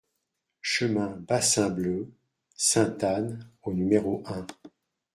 Chemin Bassin Bleu (Ste Anne) au numéro un